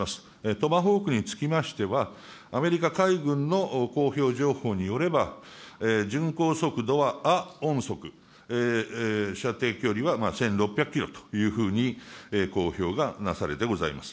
トマホークにつきましては、アメリカ海軍の公表情報によれば、巡航速度は亜音速、射程距離は１６００キロというふうに公表がなされてございます。